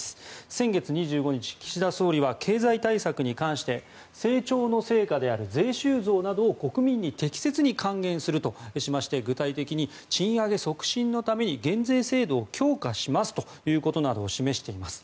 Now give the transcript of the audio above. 先月２５日、岸田総理は経済対策に関して成長の成果などを税収増などを国民に適切に還元するとしまして具体的に賃上げ促進のために減税制度を強化しますと示しています。